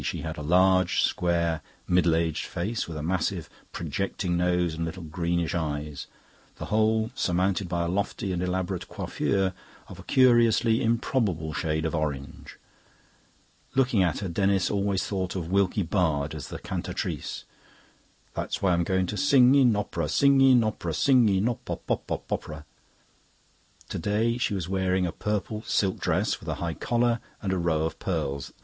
She had a large, square, middle aged face, with a massive projecting nose and little greenish eyes, the whole surmounted by a lofty and elaborate coiffure of a curiously improbable shade of orange. Looking at her, Denis always thought of Wilkie Bard as the cantatrice. "That's why I'm going to Sing in op'ra, sing in op'ra, Sing in op pop pop pop pop popera." Today she was wearing a purple silk dress with a high collar and a row of pearls.